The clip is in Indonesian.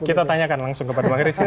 kita tanyakan langsung kepada pak erik